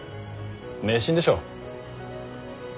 迷信でしょう。